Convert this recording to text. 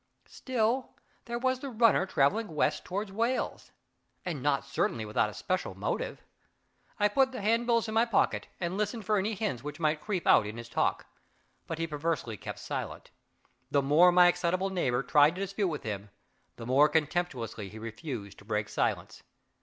Still, there was the runner traveling toward Wales and not certainly without a special motive. I put the handbills in my pocket, and listened for any hints which might creep out in his talk; but he perversely kept silent. The more my excitable neighbor tried to dispute with him, the more contemptuously he refused to break silence.